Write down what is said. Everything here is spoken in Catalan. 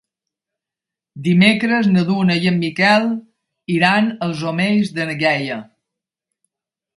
Dimecres na Duna i en Miquel iran als Omells de na Gaia.